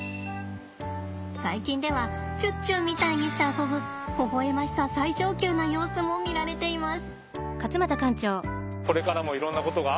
最近ではちゅっちゅみたいにして遊ぶほほ笑ましさ最上級な様子も見られています。